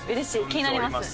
気になります。